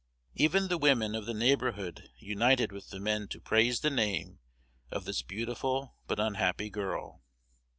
Even the women of the neighborhood united with the men to praise the name of this beautiful but unhappy girl.